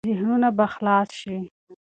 ذهنونه به خلاص شي.